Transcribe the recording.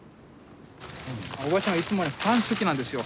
おばちゃんはいつもパン好きなんですよ。